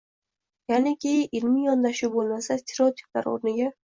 Ya’niki, ilmiy yondashuv bo‘lmasa stereotiplar o‘rniga